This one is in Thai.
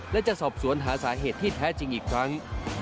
และจะสอบสวนหาสาเหตุที่แท้จริงอีกครั้ง